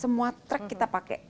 semua track kita pakai